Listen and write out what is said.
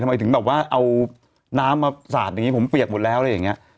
ทำไมถึงแบบว่าเอาน้ำมาสาดอย่างนี้ผมเปียกหมดแล้วอะไรอย่างนี้